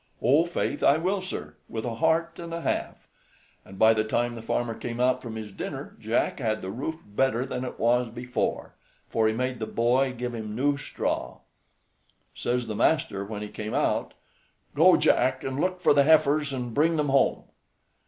"Oh, faith I will, sir, with a heart and a half;" and by the time the farmer came out from his dinner, Jack had the roof better than it was before, for he made the boy give him new straw. Says the master when he came out: "Go, Jack, and look for the heifers, and bring them home."